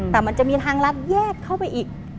แต่มันจะมีทางรัฐแยกเข้าไปอีก